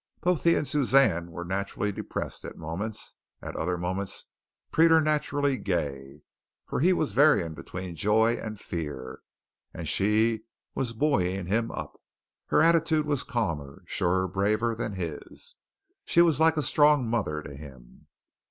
Both he and Suzanne were naturally depressed at moments, at other moments preternaturally gay, for he was varying between joy and fear, and she was buoying him up. Her attitude was calmer, surer, braver, than his. She was like a strong mother to him.